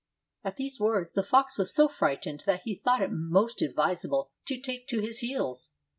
At these words the fox was so frightened that he thought it most advisable to take to his heels.